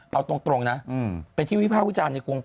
เอาตรงนะเป็นที่วิภาควิจารณ์ในกรุง